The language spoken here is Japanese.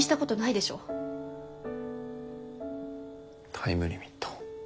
タイムリミット。